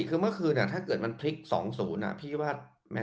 คือเมื่อคืนอะถ้าเกิดมันพลิกสองศูนย์อะพี่ว่าแม่